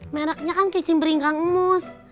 mereknya kan kicimpring kang emus